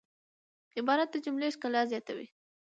عبارت د جملې ښکلا زیاتوي.